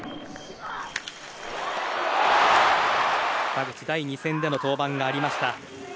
田口、第２戦での登板がありました。